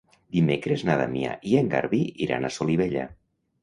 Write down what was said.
Dimecres na Damià i en Garbí iran a Solivella.